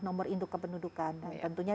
nomor induk kependudukan dan tentunya